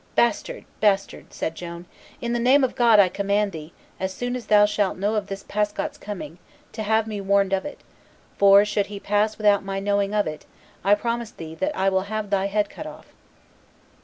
"Bastard, bastard," said Joan, "in the name of God I command thee, as soon as thou shalt know of this Pascot's coming, to have me warned of it, for, should he pass without my knowing of it, I promise thee that I will have thy head cut off."